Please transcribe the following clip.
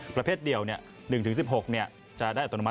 ประเภทเดียว๑๑๖จะได้อัตโนมั